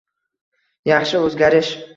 Yaxshi o'zgarish